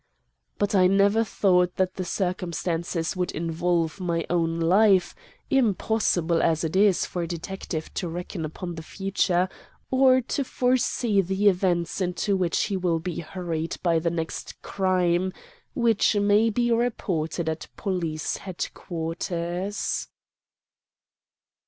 But I never thought that the circumstances would involve my own life, impossible as it is for a detective to reckon upon the future or to foresee the events into which he will be hurried by the next crime which may be reported at police headquarters.